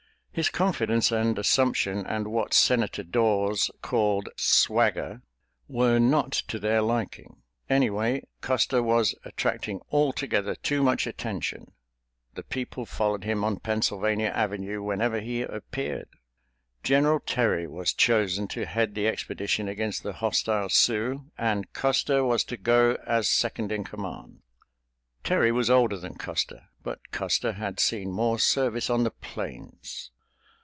His confidence and assumption and what Senator Dawes called swagger were not to their liking. Anyway, Custer was attracting altogether too much attention—the people followed him on Pennsylvania Avenue whenever he appeared. General Terry was chosen to head the expedition against the hostile Sioux, and Custer was to go as second in command. Terry was older than Custer, but Custer had seen more service on the plains.